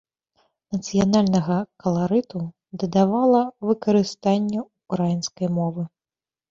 Нацыянальнага каларыту дадавала выкарыстанне ўкраінскай мовы.